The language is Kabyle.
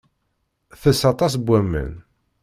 Tess aṭas n waman.